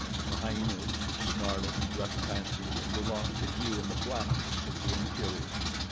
The hyenas, snarling, rushed past him and were lost to view in the blackness of the interior.